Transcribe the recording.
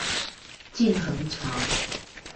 靳珩橋